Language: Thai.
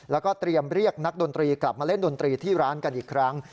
แล้วก็เตรียมเรียกนักดนตรีกลับมาเล่นดนตรีที่ร้านกันอีกครั้ง